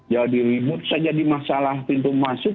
ya di rimut saja di masalah pintu masuk